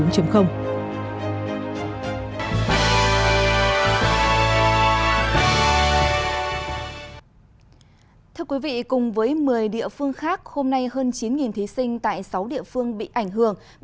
thưa quý vị cùng với một mươi địa phương khác hôm nay hơn chín thí sinh tại sáu địa phương bị ảnh hưởng